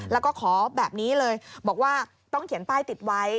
แล้วก็ขอแบบนี้เลยบอกว่าต้องเขียนป้ายติดไว้